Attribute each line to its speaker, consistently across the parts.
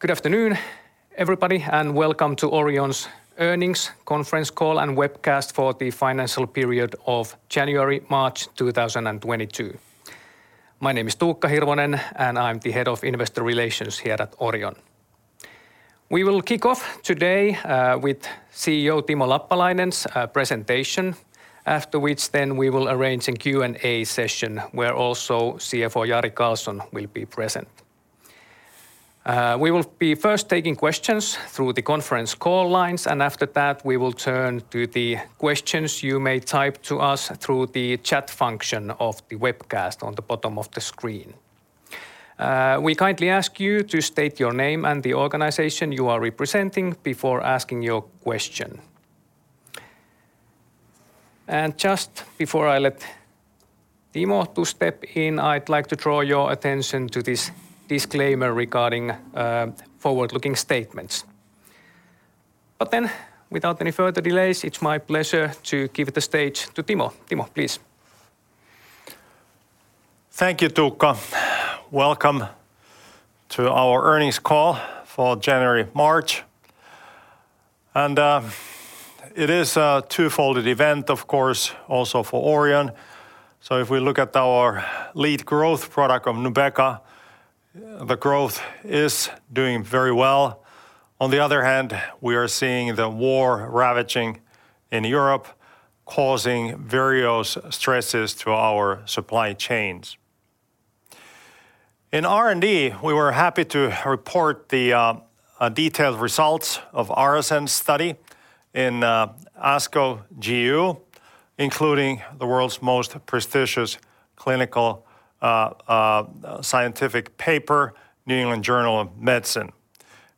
Speaker 1: Good afternoon, everybody, and welcome to Orion's Earnings Conference Call and Webcast for the financial period of January-March 2022. My name is Tuukka Hirvonen, and I'm the Head of Investor Relations here at Orion. We will kick off today with CEO Timo Lappalainen's presentation, after which then we will arrange a Q&A session where also CFO Jari Karlson will be present. We will be first taking questions through the conference call lines, and after that, we will turn to the questions you may type to us through the chat function of the webcast on the bottom of the screen. We kindly ask you to state your name and the organization you are representing before asking your question. Just before I let Timo step in, I'd like to draw your attention to this disclaimer regarding forward-looking statements. Without any further delays, it's my pleasure to give the stage to Timo. Timo, please.
Speaker 2: Thank you, Tuukka. Welcome to our earnings call for January-March. It is a twofold event, of course, also for Orion. If we look at our lead growth product of Nubeqa, the growth is doing very well. On the other hand, we are seeing the war ravaging in Europe, causing various stresses to our supply chains. In R&D, we were happy to report the detailed results of ARASENS study in ASCO GU, including the world's most prestigious clinical scientific paper, New England Journal of Medicine.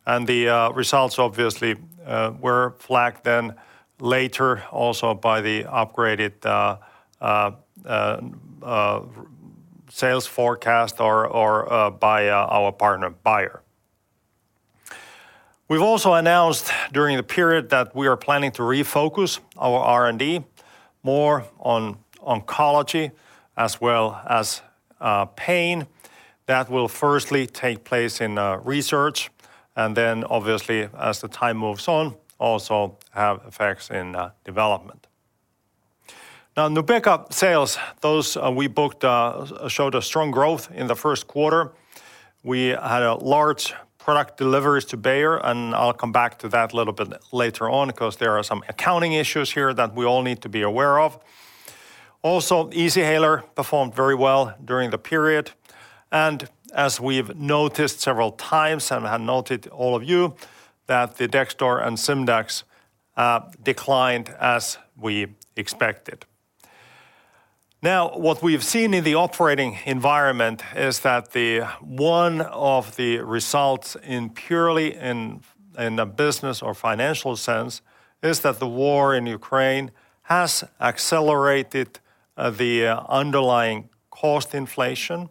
Speaker 2: The results obviously were flagged then later also by the upgraded sales forecast or by our partner Bayer. We've also announced during the period that we are planning to refocus our R&D more on oncology as well as pain. That will firstly take place in research, and then obviously as the time moves on, also have effects in development. Now, Nubeqa sales those we booked showed a strong growth in Q1. We had a large product deliveries to Bayer, and I'll come back to that a little bit later on because there are some accounting issues here that we all need to be aware of. Also, Easyhaler performed very well during the period, and as we've noticed several times, and have noted all of you, that the Dexdor and Simdax declined as we expected. Now, what we've seen in the operating environment is that the one of the results in purely in a business or financial sense is that the war in Ukraine has accelerated the underlying cost inflation,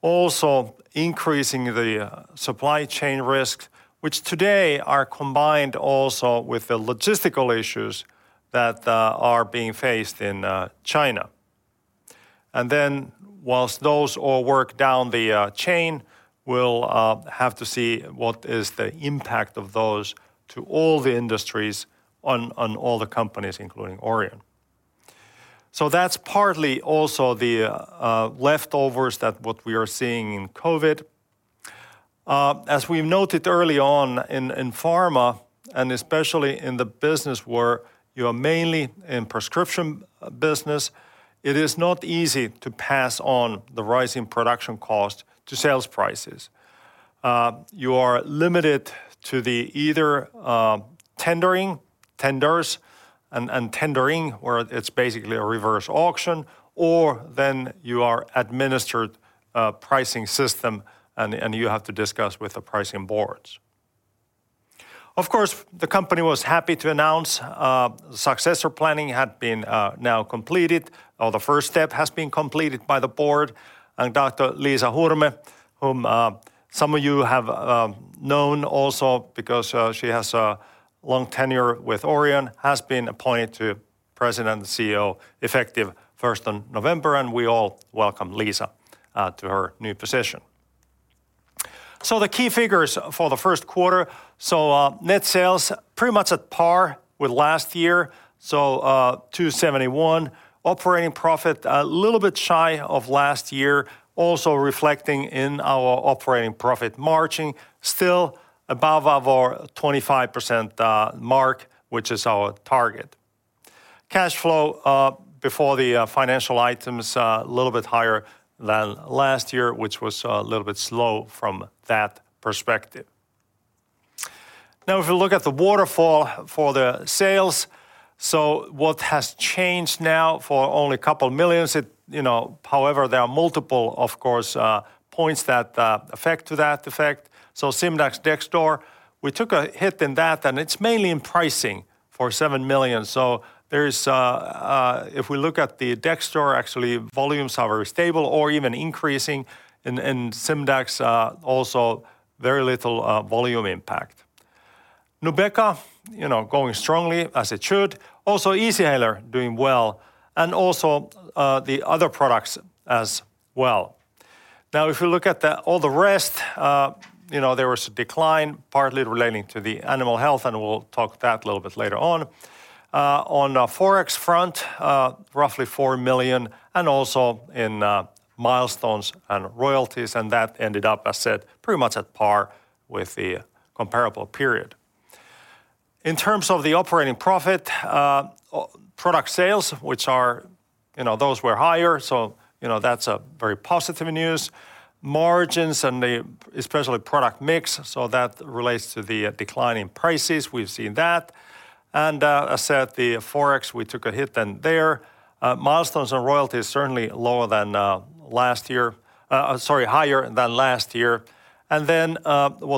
Speaker 2: also increasing the supply chain risk, which today are combined also with the logistical issues that are being faced in China. Then while those all work down the chain, we'll have to see what is the impact of those to all the industries on all the companies, including Orion. That's partly also the leftovers that what we are seeing in COVID. As we noted early on in pharma, and especially in the business where you are mainly in prescription business, it is not easy to pass on the rising production cost to sales prices. You are limited to either tendering, tenders, and tendering, or it's basically a reverse auction, or then you are administered a pricing system and you have to discuss with the pricing boards. Of course, the company was happy to announce successor planning had been now completed, or the first step has been completed by the board, and Dr. Liisa Hurme, whom some of you have known also because she has a long tenure with Orion, has been appointed to President and CEO effective first of November, and we all welcome Liisa to her new position. The key figures for Q1. Net sales pretty much at par with last year, so 271. Operating profit a little bit shy of last year, also reflecting in our operating profit margin, still above our 25% mark, which is our target. Cash flow before the financial items a little bit higher than last year, which was a little bit slow from that perspective. Now if we look at the waterfall for the sales, what has changed now for only 2 million, however, there are multiple, of course, points that affect to that effect. Simdax, Dexdor, we took a hit in that, and it's mainly in pricing for 7 million. If we look at the Dexdor, actually volumes are very stable or even increasing, and Simdax also very little volume impact. Nubeqa, going strongly as it should. Also Easyhaler doing well and also the other products as well. Now, if you look at all the rest, there was a decline partly relating to the animal health, and we'll talk that a little bit later on. On a Forex front, roughly 4 million and also in milestones and royalties, and that ended up as said, pretty much at par with the comparable period. In terms of the operating profit, product sales, which those were higher. That's very positive news. Margins and, especially, the product mix, so that relates to the decline in prices, we've seen that. As said, the Forex, we took a hit then there. Milestones and royalties certainly higher than last year. What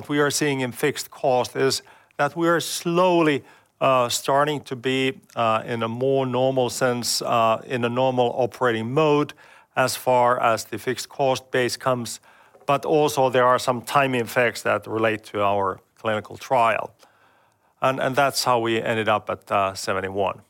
Speaker 2: we are seeing in fixed cost is that we are slowly starting to be in a more normal sense in a normal operating mode as far as the fixed cost base comes, but also there are some timing effects that relate to our clinical trial and that's how we ended up at 71.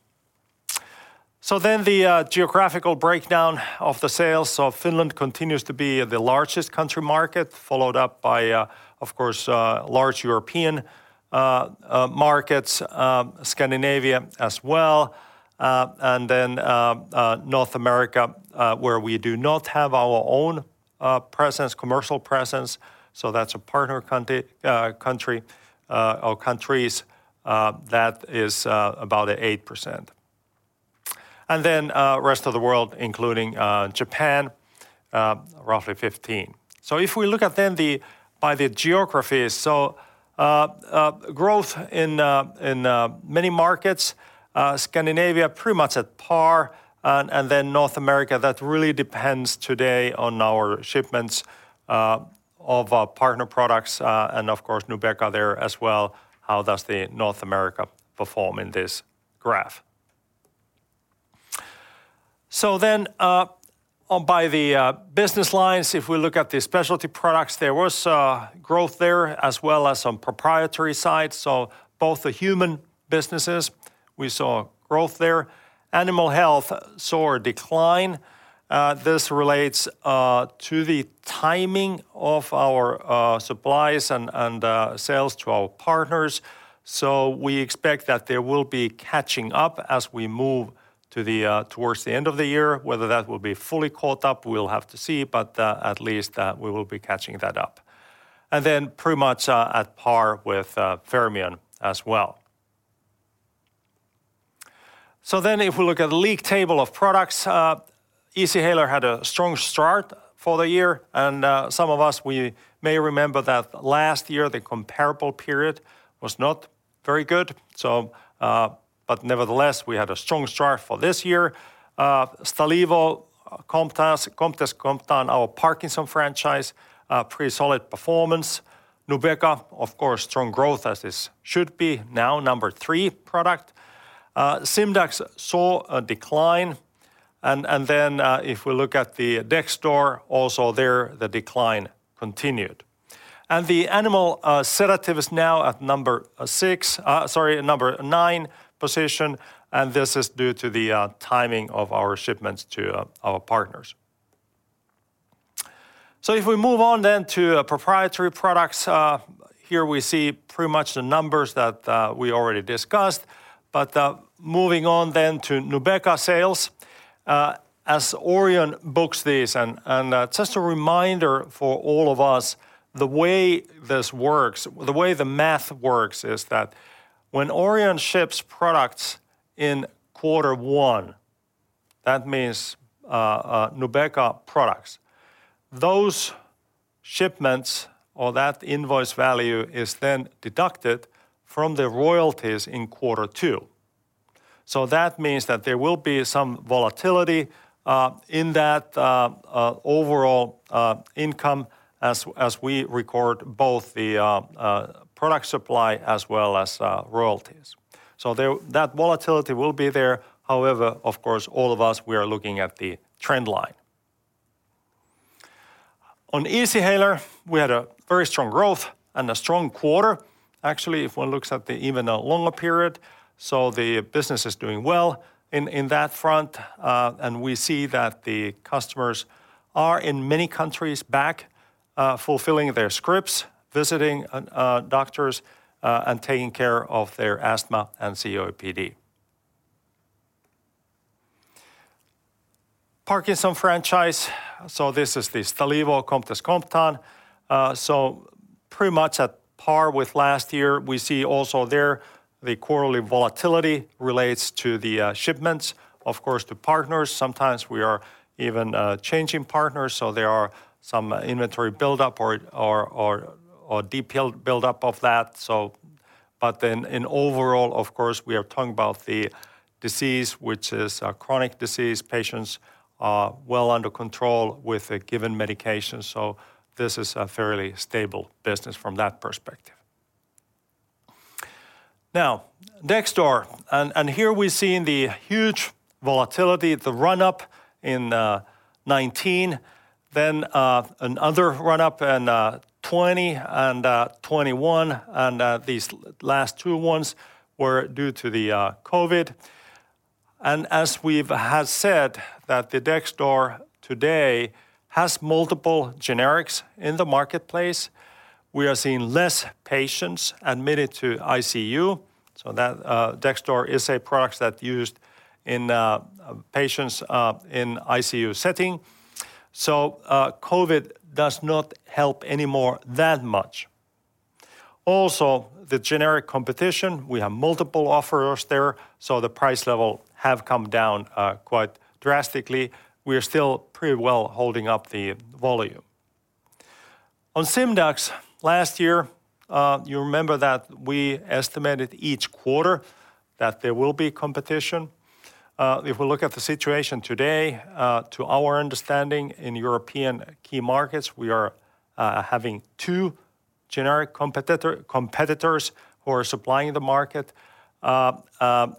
Speaker 2: The geographical breakdown of the sales, Finland continues to be the largest country market, followed up by of course large European markets, Scandinavia as well, and then North America, where we do not have our own presence, commercial presence, so that's a partner country or countries, that is about 8%, and then rest of the world including Japan, roughly 15%. If we look at the geographies, growth in many markets, Scandinavia pretty much at par, and then North America that really depends today on our shipments of our partner products, and of course Nubeqa there as well. How does North America perform in this graph. By the business lines, if we look at the specialty products, there was growth there as well as some proprietary sides. Both the human businesses we saw growth there. Animal health saw a decline, this relates to the timing of our supplies and sales to our partners. We expect that there will be catching up as we move towards the end of the year. Whether that will be fully caught up, we'll have to see, but at least we will be catching that up. Then pretty much at par with Fermion as well. If we look at league table of products, Easyhaler had a strong start for the year and some of us we may remember that last year the comparable period was not very good, so but nevertheless we had a strong start for this year. Stalevo, Comtess/Comtan, our Parkinson franchise, pretty solid performance. Nubeqa, of course strong growth as this should be now number three product. Simdax saw a decline and then if we look at the Dexdor, also there the decline continued. The animal sedative is now at number 9 position, and this is due to the timing of our shipments to our partners. If we move on then to proprietary products, here we see pretty much the numbers that we already discussed but moving on then to Nubeqa sales, as Orion books these and just a reminder for all of us the way this works, the way the math works is that when Orion ships products in Q1, that means Nubeqa products, those shipments or that invoice value is then deducted from the royalties in Q2. That means that there will be some volatility in that overall income as we record both the product supply as well as royalties. That volatility will be there, however of course all of us are looking at the trend line. On Easyhaler, we had a very strong growth and a strong quarter actually if one looks at even a longer period, the business is doing well in that front, and we see that the customers are in many countries back fulfilling their scripts, visiting doctors, and taking care of their asthma and COPD. Parkinson's franchise, this is the Stalevo, Comtess/Comtan, pretty much at par with last year. We see also there the quarterly volatility relates to the shipments of course to partners. Sometimes we are even changing partners, so there are some inventory build-up or deep build-up of that, but then in overall, of course we are talking about the disease which is chronic disease patients are well under control with a given medication, so this is a fairly stable business from that perspective. Now Dexdor, here we're seeing the huge volatility, the run-up in 2019, then another run-up in 2020 and 2021, and these last two ones were due to the COVID. As we've said that the Dexdor today has multiple generics in the marketplace, we are seeing less patients admitted to ICU, so that Dexdor is a product that used in patients in ICU setting. COVID does not help anymore that much. Also, the generic competition, we have multiple offerers there. The price level have come down quite drastically. We are still pretty well holding up the volume. On Simdax last year, you remember that we estimated each quarter that there will be competition. If we look at the situation today, to our understanding in European key markets, we are having two generic competitors who are supplying the market.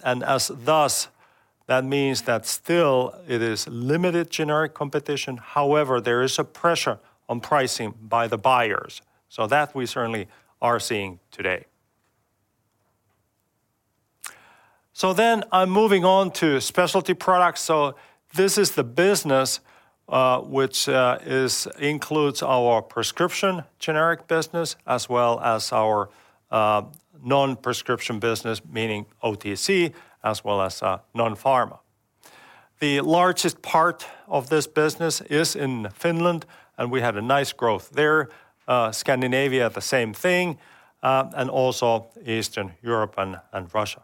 Speaker 2: And thus, that means that still it is limited generic competition, however, there is a pressure on pricing by the buyers. That we certainly are seeing today. I'm moving on to specialty products. This is the business which includes our prescription generic business as well as our non-prescription business, meaning OTC as well as non-pharma. The largest part of this business is in Finland, and we had a nice growth there. Scandinavia, the same thing, and also Eastern Europe and Russia.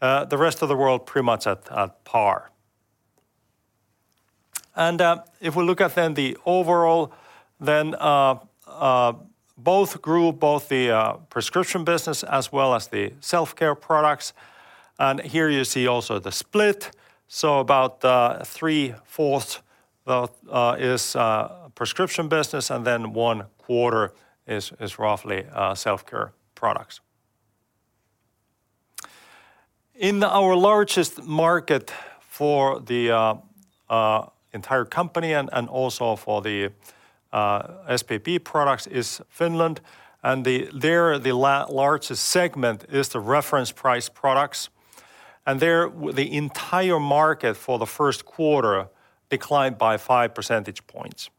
Speaker 2: The rest of the world pretty much at par. If we look at the overall, both grew, the prescription business as well as the self-care products, and here you see also the split. About three-fourth is prescription business, and then one quarter is roughly self-care products. In our largest market for the entire company and also for the SPB products is Finland, and there the largest segment is the reference price products. There the entire market for Q1 declined by five percentage points.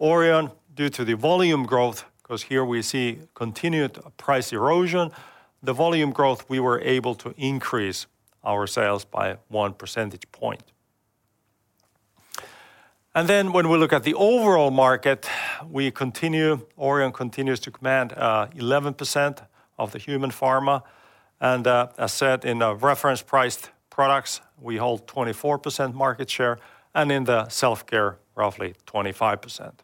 Speaker 2: Orion, due to the volume growth, because here we see continued price erosion, the volume growth, we were able to increase our sales by one percentage point. When we look at the overall market, Orion continues to command 11% of the human pharma, and as said in the reference priced products, we hold 24% market share, and in the self-care, roughly 25%.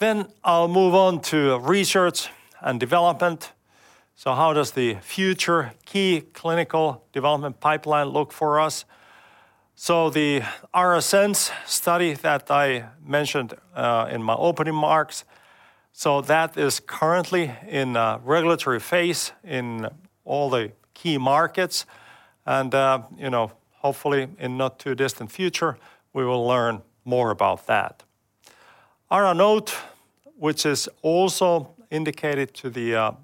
Speaker 2: I'll move on to research and development. How does the future key clinical development pipeline look for us? The ARASENS study that I mentioned in my opening remarks, that is currently in a regulatory phase in all the key markets and hopefully, in not too distant future, we will learn more about that. ARANOTE, which is also indicated to the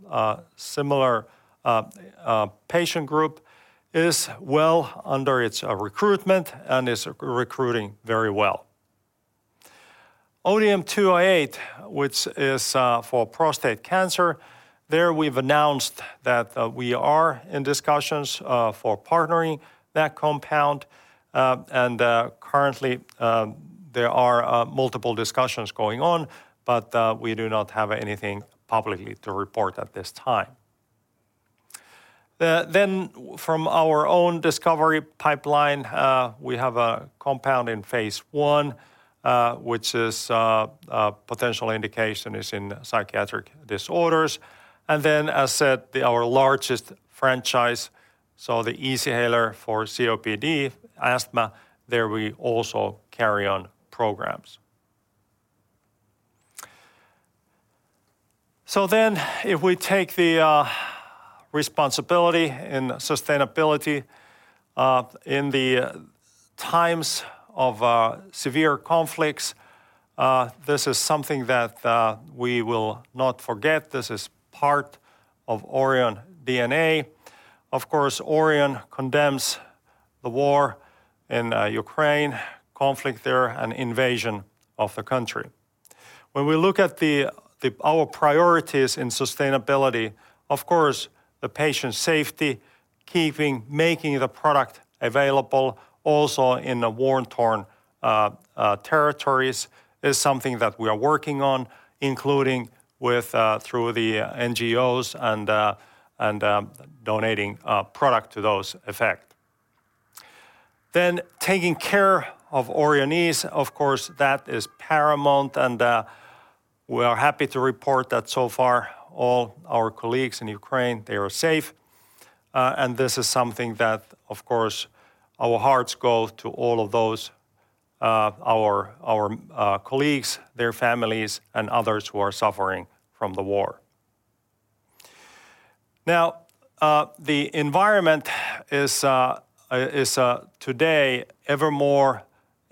Speaker 2: similar patient group, is well under its recruitment and is recruiting very well. ODM-208, which is for prostate cancer, there we've announced that we are in discussions for partnering that compound, and currently there are multiple discussions going on, but we do not have anything publicly to report at this time. From our own discovery pipeline, we have a compound in phase I, which is potential indication is in psychiatric disorders. As said, our largest franchise, so the Easyhaler for COPD asthma, there we also carry on programs. If we take the responsibility and sustainability in the times of severe conflicts, this is something that we will not forget. This is part of Orion DNA. Of course, Orion condemns the war in Ukraine, conflict there, and invasion of the country. When we look at our priorities in sustainability, of course, the patient safety, keeping, making the product available also in the war-torn territories is something that we are working on, including through the NGOs and donating product to that effect. Taking care of Orionees, of course, that is paramount, and we are happy to report that so far all our colleagues in Ukraine, they are safe. This is something that, of course, our hearts go out to all of those our colleagues, their families, and others who are suffering from the war. Now, the environment is today ever more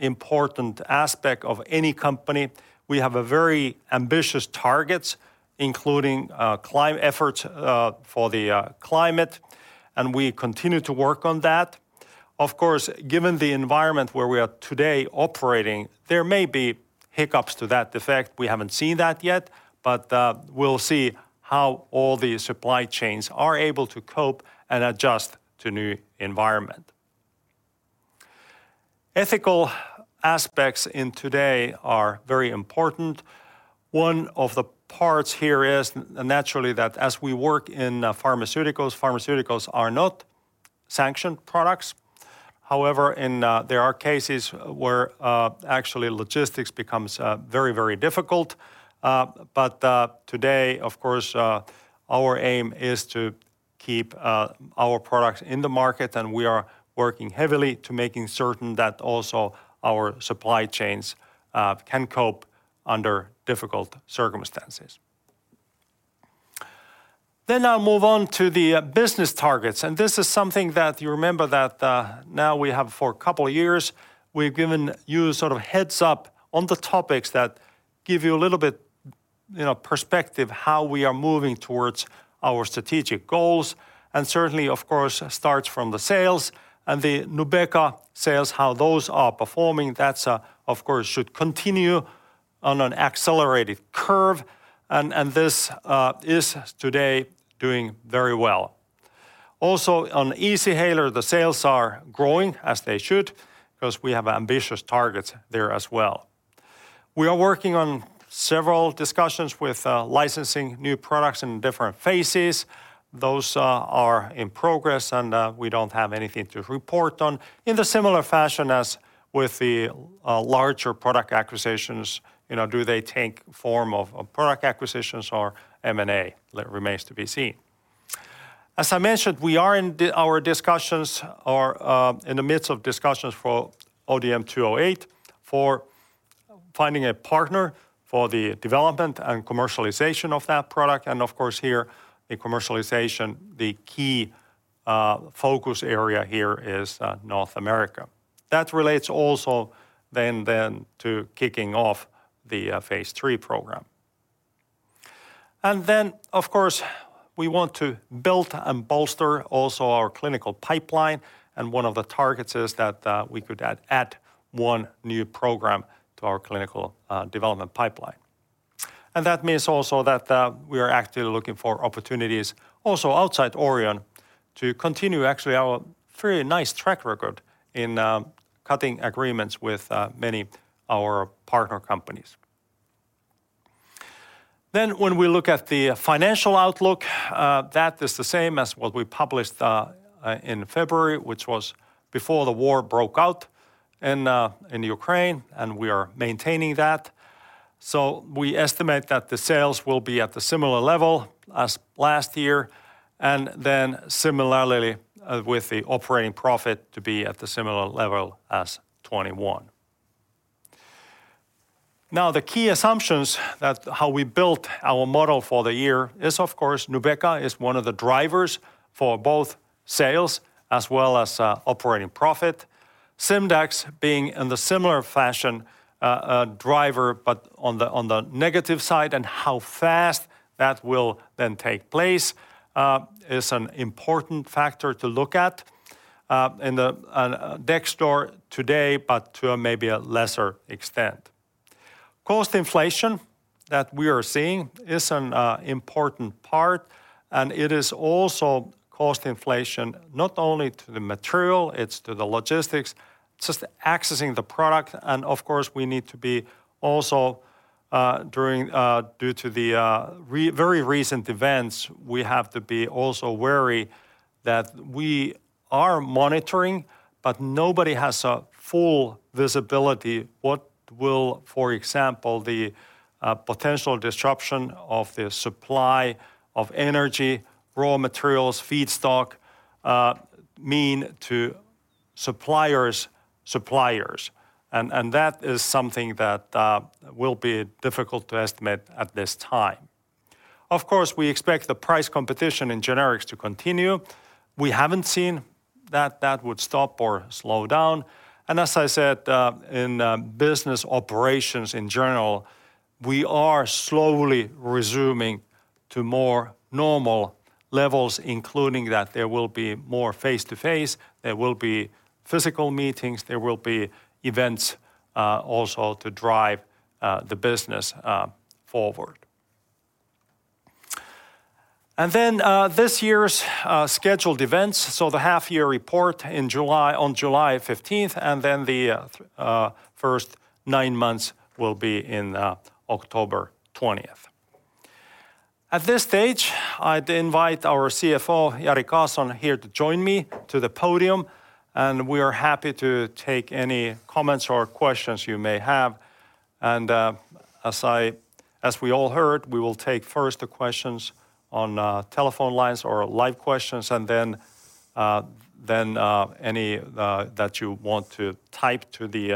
Speaker 2: important aspect of any company. We have very ambitious targets, including climate efforts for the climate, and we continue to work on that. Of course, given the environment where we are today operating, there may be hiccups to that effect. We haven't seen that yet, but we'll see how all the supply chains are able to cope and adjust to new environment. Ethical aspects today are very important. One of the parts here is naturally that as we work in pharmaceuticals are not sanctioned products. However, there are cases where actually logistics becomes very, very difficult. Today, of course, our aim is to keep our products in the market, and we are working heavily to making certain that also our supply chains can cope under difficult circumstances. I'll move on to the business targets, and this is something that you remember that now we have for a couple of years, we've given you heads-up on the topics that give you a little bit perspective how we are moving towards our strategic goals, and certainly, of course, starts from the sales. The Nubeqa sales, how those are performing, that, of course, should continue on an accelerated curve, and this is today doing very well. Also, on Easyhaler, the sales are growing as they should because we have ambitious targets there as well. We are working on several discussions with licensing new products in different phases. Those are in progress, and we don't have anything to report on. In a similar fashion as with the larger product acquisitions, do they take form of product acquisitions or M&A? It remains to be seen. As I mentioned, we are in the midst of discussions for ODM-208 for finding a partner for the development and commercialization of that product, and of course, here the commercialization, the key focus area here is North America. That relates also to kicking off the phase III program. Of course, we want to build and bolster also our clinical pipeline, and one of the targets is that we could add one new program to our clinical development pipeline. That means also that we are actively looking for opportunities also outside Orion to continue actually our very nice track record in cutting agreements with many our partner companies. When we look at the financial outlook, that is the same as what we published in February, which was before the war broke out in Ukraine, and we are maintaining that. We estimate that the sales will be at the similar level as last year, and then similarly with the operating profit to be at the similar level as 2021. Now, the key assumptions that how we built our model for the year is, of course, Nubeqa is one of the drivers for both sales as well as operating profit. Simdax being in the similar fashion driver, but on the negative side and how fast that will then take place is an important factor to look at, and Dexdor today, but to maybe a lesser extent. Cost inflation that we are seeing is an important part, and it is also cost inflation, not only to the material, it's to the logistics, it's just accessing the product, and of course, we need to be also due to the very recent events, we have to be also wary that we are monitoring, but nobody has a full visibility what will, for example, the potential disruption of the supply of energy, raw materials, feedstock mean to suppliers and that is something that will be difficult to estimate at this time. Of course, we expect the price competition in generics to continue. We haven't seen that would stop or slow down. As I said, in business operations in general, we are slowly resuming to more normal levels, including that there will be more face-to-face, there will be physical meetings, there will be events, also to drive the business forward. Then, this year's scheduled events, the half year report on July 15th, and then the first nine months will be in October 20th. At this stage, I'd invite our CFO, Jari Karlson, here to join me to the podium, and we are happy to take any comments or questions you may have. As we all heard, we will take first the questions on telephone lines or live questions and then any that you want to type to the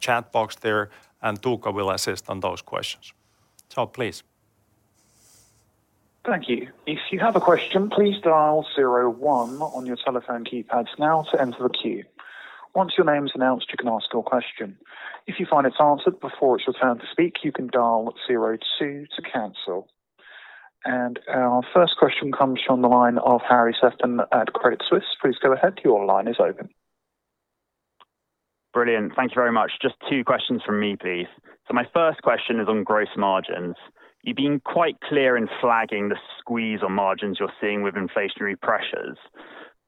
Speaker 2: chat box there, and Tuukka will assist on those questions. Please.
Speaker 3: Thank you. If you have a question, please dial zero one on your telephone keypads now to enter the queue. Once your name's announced, you can ask your question. If you find it's answered before it's your turn to speak, you can dial zero two to cancel. Our first question comes from the line of Harry Sefton at Credit Suisse. Please go ahead. Your line is open.
Speaker 4: Brilliant. Thank you very much. Just two questions from me, please. My first question is on gross margins. You've been quite clear in flagging the squeeze on margins you're seeing with inflationary pressures.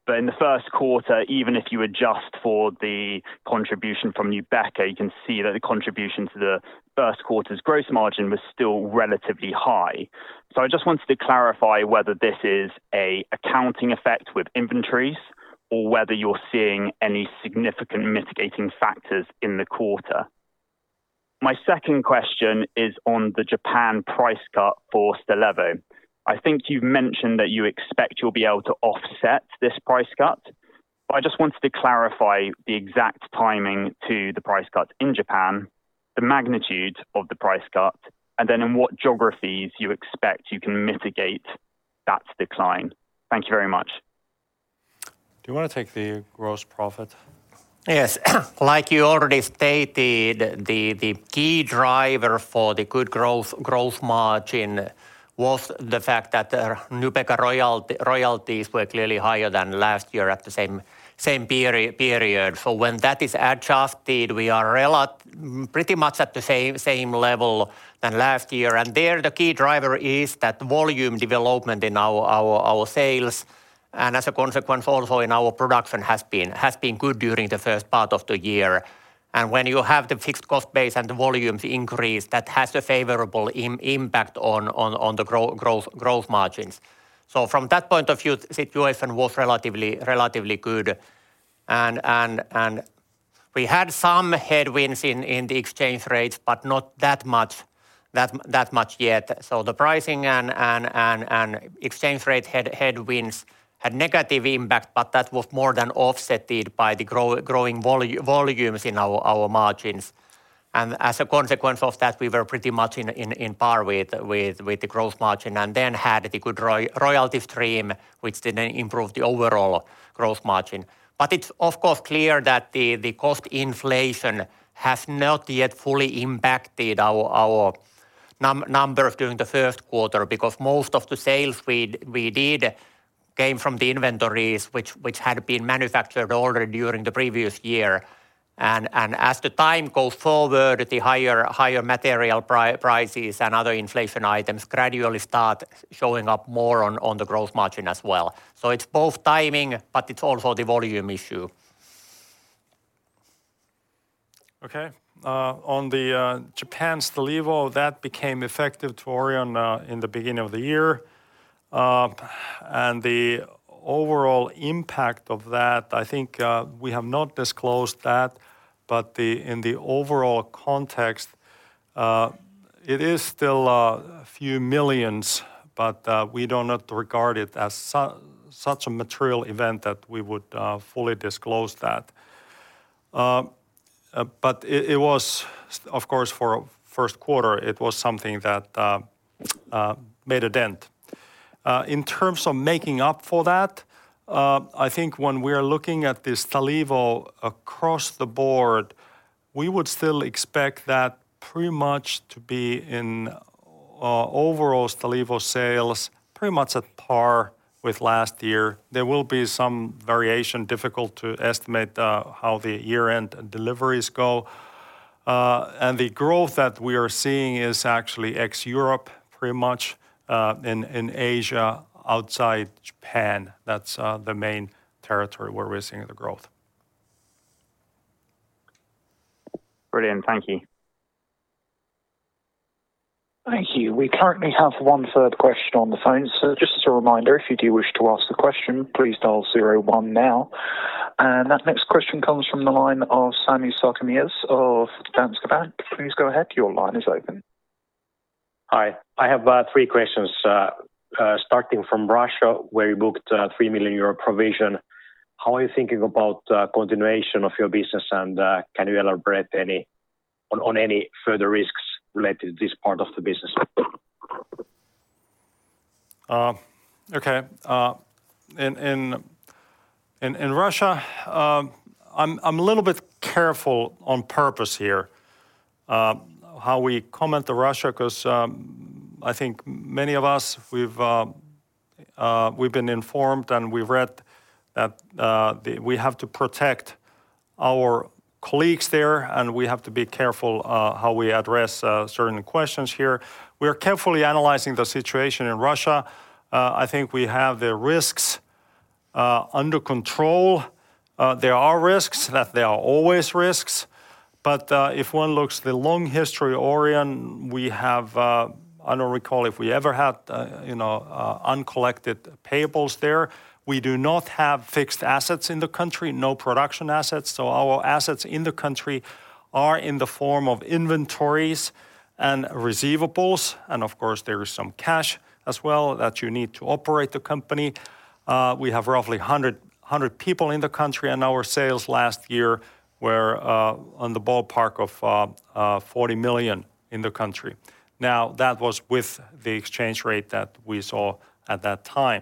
Speaker 4: In Q1, even if you adjust for the contribution from Nubeqa, you can see that the contribution to Q1's gross margin was still relatively high. I just wanted to clarify whether this is an accounting effect with inventories or whether you're seeing any significant mitigating factors in the quarter. My second question is on the Japan price cut for Stalevo. I think you've mentioned that you expect you'll be able to offset this price cut. I just wanted to clarify the exact timing to the price cut in Japan, the magnitude of the price cut, and then in what geographies you expect you can mitigate that decline. Thank you very much.
Speaker 2: Do you want to take the gross profit?
Speaker 5: Yes. You already stated the key driver for the good growth margin was the fact that our Nubeqa royalties were clearly higher than last year at the same period. When that is adjusted, we are pretty much at the same level than last year. There, the key driver is that volume development in our sales, and as a consequence also in our production has been good during the first part of the year. When you have the fixed cost base and the volumes increase, that has a favorable impact on the growth margins. From that point of view, situation was relatively good and we had some headwinds in the exchange rates, but not that much yet. The pricing and exchange rate headwinds had negative impact, but that was more than offset by the growing volumes and our margins. As a consequence of that, we were pretty much on par with the gross margin and then had the good royalty stream, which then improved the overall gross margin. It's of course clear that the cost inflation has not yet fully impacted our numbers during Q1 because most of the sales we did came from the inventories which had been manufactured already during the previous year. As the time goes forward, the higher material prices and other inflation items gradually start showing up more on the gross margin as well. It's both timing, but it's also the volume issue.
Speaker 2: Okay. On the Japan Stalevo, that became effective to Orion in the beginning of the year. The overall impact of that, I think, we have not disclosed that, but in the overall context, it is still a few million, but we do not regard it as such a material event that we would fully disclose that. Of course, for Q1, it was something that made a dent. In terms of making up for that, I think when we're looking at the Stalevo across the board, we would still expect that pretty much to be in overall Stalevo sales pretty much at par with last year. There will be some variation, difficult to estimate how the year-end deliveries go. The growth that we are seeing is actually ex-Europe pretty much, in Asia outside Japan. That's the main territory where we're seeing the growth.
Speaker 4: Brilliant. Thank you.
Speaker 3: Thank you. We currently have one further question on the phone. Just as a reminder, if you do wish to ask a question, please dial zero one now. That next question comes from the line of Sami Sarkamies of Danske Bank. Please go ahead. Your line is open.
Speaker 6: Hi. I have three questions starting from Russia, where you booked a 3 million euro provision. How are you thinking about continuation of your business and can you elaborate on any further risks related to this part of the business?
Speaker 2: Okay. In Russia, I'm a little bit careful on purpose here, how we comment on Russia because I think many of us, we've been informed and we've read that we have to protect our colleagues there and we have to be careful how we address certain questions here. We are carefully analyzing the situation in Russia. I think we have the risks under control. There are risks, that there are always risks, but if one looks at the long history of Orion, I don't recall if we ever had uncollected payables there. We do not have fixed assets in the country, no production assets. Our assets in the country are in the form of inventories and receivables, and of course there is some cash as well that you need to operate the company. We have roughly 100 people in the country, and our sales last year were in the ballpark of 40 million in the country. Now, that was with the exchange rate that we saw at that time.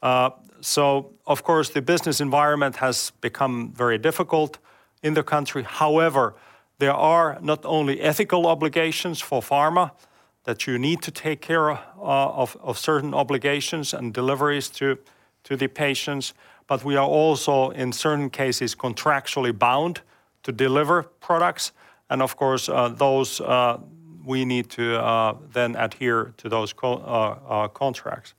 Speaker 2: Of course, the business environment has become very difficult in the country. However, there are not only ethical obligations for pharma that you need to take care of certain obligations and deliveries to the patients, but we are also, in certain cases, contractually bound to deliver products and of course, those we need to then adhere to those contracts.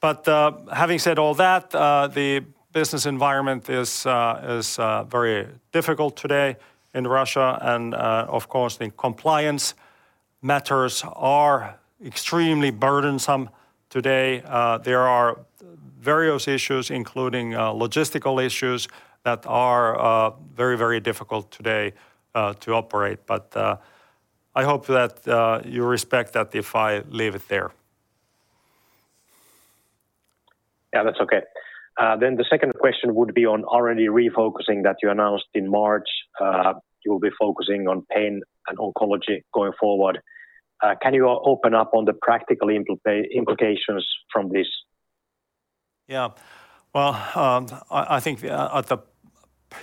Speaker 2: Having said all that, the business environment is very difficult today in Russia and of course, the compliance matters are extremely burdensome today. There are various issues including logistical issues that are very difficult today to operate. I hope that you respect that if I leave it there.
Speaker 6: That's okay. The second question would be on R&D refocusing that you announced in March. You'll be focusing on pain and oncology going forward. Can you open up on the practical implications from this?
Speaker 2: Yes. Well, I think at the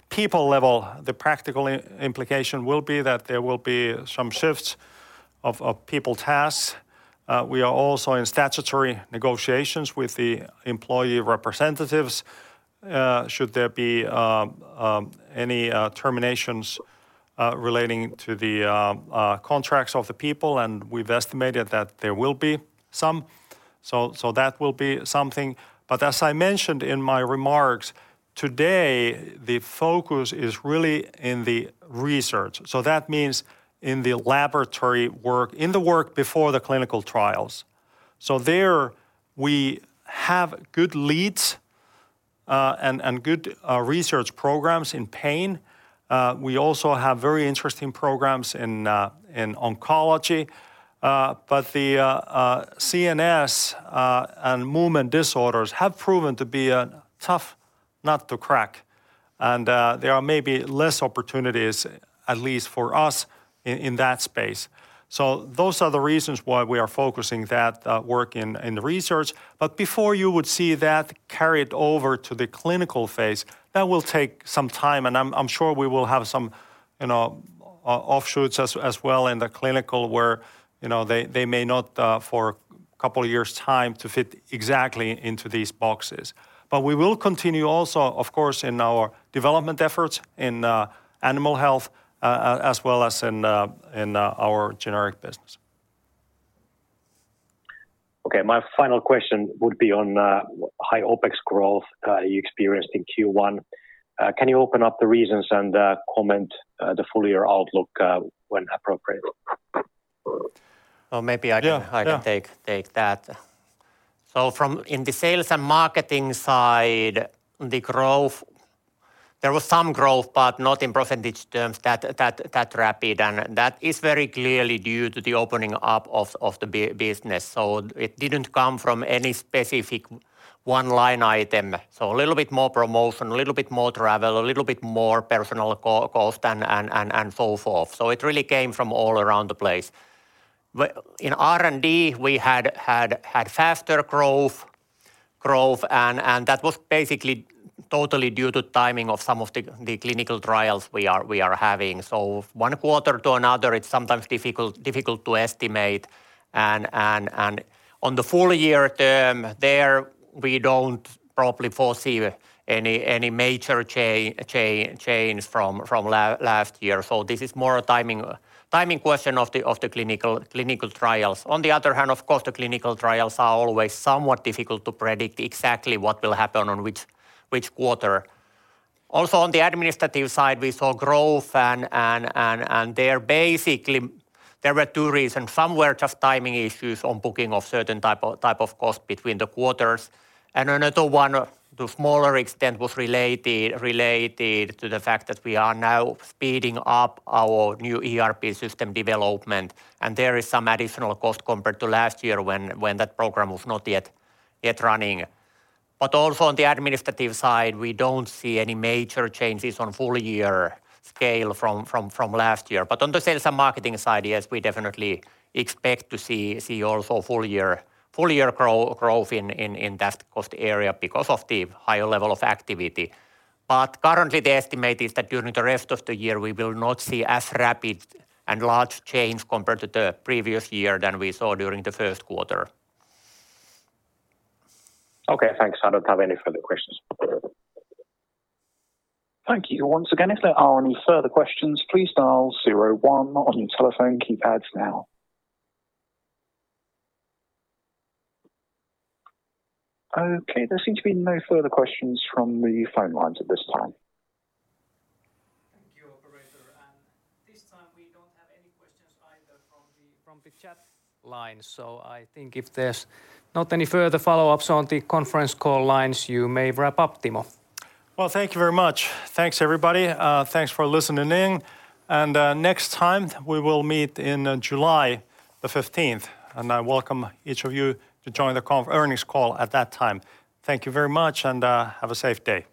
Speaker 2: people level, the practical implication will be that there will be some shifts of people tasks. We are also in statutory negotiations with the employee representatives should there be any terminations relating to the contracts of the people, and we've estimated that there will be some. That will be something, but as I mentioned in my remarks, today the focus is really in the research. That means in the laboratory work, in the work before the clinical trials. There, we have good leads and good research programs in pain. We also have very interesting programs in oncology, but the CNS and movement disorders have proven to be a tough nut to crack. There are maybe less opportunities at least for us in that space. Those are the reasons why we are focusing that work in the research. Before you would see that carried over to the clinical phase, that will take some time and I'm sure we will have some offshoots as well in the clinical where they may not fit exactly into these boxes for a couple of years' time. We will continue also, of course, in our development efforts in animal health as well as in our generic business.
Speaker 6: Okay. My final question would be on high OpEx growth you experienced in Q1. Can you open up the reasons and comment the full year outlook when appropriate?
Speaker 5: Well, maybe I can take that. From the sales and marketing side, there was some growth, but not in percentage terms that rapid, and that is very clearly due to the opening up of the business. It didn't come from any specific one line item. A little bit more promotion, a little bit more travel, a little bit more personal cost, and so forth. It really came from all around the place. In R&D, we had faster growth and that was basically totally due to timing of some of the clinical trials we are having. One quarter to another, it's sometimes difficult to estimate and on the full year term, there we don't probably foresee any major change from last year. This is more a timing question of the clinical trials. On the other hand, of course, the clinical trials are always somewhat difficult to predict exactly what will happen on which quarter. Also, on the administrative side, we saw growth and basically, there were two reasons. Some were just timing issues on booking of certain type of cost between the quarters. Another one to a smaller extent was related to the fact that we are now speeding up our new ERP system development and there is some additional cost compared to last year when that program was not yet running. Also, on the administrative side we don't see any major changes on full year scale from last year. On the sales and marketing side, yes, we definitely expect to see also full year growth in that cost area because of the higher level of activity. Currently, the estimate is that during the rest of the year we will not see as rapid and large change compared to the previous year than we saw during Q1.
Speaker 6: Okay. Thanks. I don't have any further questions.
Speaker 3: Thank you once again. If there are any further questions, please dial zero one on your telephone keypads now. There seem to be no further questions from the phone lines at this time.
Speaker 1: Thank you, operator, and this time we don't have any questions either from the chat line. I think if there's not any further follow-ups on the conference call lines, you may wrap up, Timo.
Speaker 2: Well, thank you very much. Thanks everybody, thanks for listening and next time we will meet in July 15th and I welcome each of you to join the earnings call at that time. Thank you very much and have a safe day.